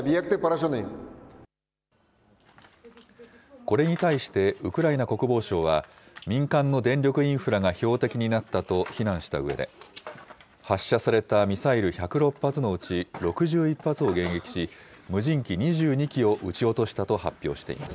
これに対してウクライナ国防省は、民間の電力インフラが標的になったと非難したうえで、発射されたミサイル１０６発のうち６１発を迎撃し、無人機２２機を撃ち落としたと発表しています。